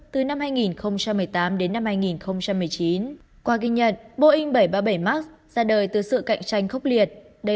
từ năm hai nghìn một mươi tám đến năm hai nghìn một mươi chín qua ghi nhận boeing bảy trăm ba mươi bảy max ra đời từ sự cạnh tranh khốc liệt